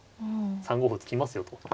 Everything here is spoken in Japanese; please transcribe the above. ３五歩突きますよと。